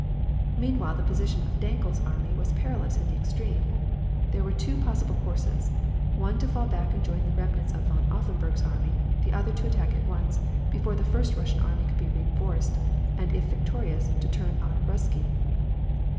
Meanwhile the position of Dankl's army was perilous in the extreme. There were two possible courses, one to fall back and join the remnants of von Offenberg's army, the other to attack at once, before the first Russian army could be reinforced, and if victorious to turn on Ruzsky.